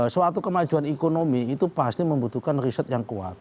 suatu kemajuan ekonomi itu pasti membutuhkan riset yang kuat